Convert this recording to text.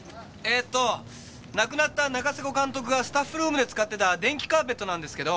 亡くなった仲瀬古監督がスタッフルームで使ってた電気カーペットなんですけど。